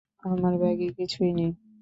আমার ব্যাগে কিছুই নেই।